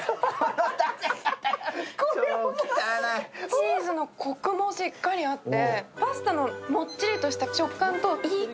チーズのこくもしっかりあって。